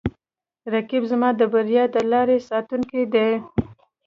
رقیب زما د بریا د لارې ساتونکی دی